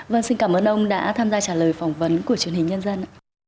vâng xin cảm ơn ông đã tham gia trả lời phỏng vấn của truyền hình nhân dân